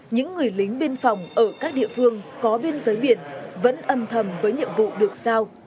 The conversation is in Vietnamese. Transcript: những người lính biên phòng ở các địa phương có biên giới biển vẫn âm thầm với nhiệm vụ được sao